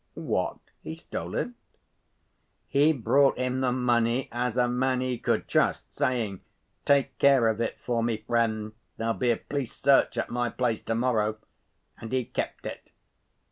"What, he stole it?" "He brought him the money as a man he could trust, saying, 'Take care of it for me, friend, there'll be a police search at my place to‐morrow.' And he kept it.